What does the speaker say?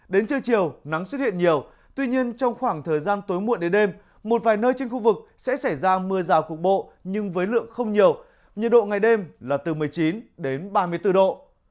đến trưa chiều nắng xuất hiện nhiều tuy nhiên trong khoảng thời gian tối muộn đến đêm một vài nơi trên khu vực sẽ xảy ra mưa rào cục bộ nhưng với lượng không nhiều nhiệt độ ngày đêm là từ một mươi chín đến ba mươi bốn độ